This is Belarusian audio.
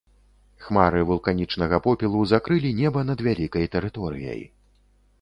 Хмары вулканічнага попелу закрылі неба над вялікай тэрыторыяй.